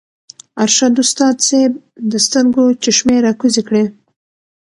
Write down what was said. ارشد استاذ صېب د سترګو چشمې راکوزې کړې